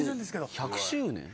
１００周年？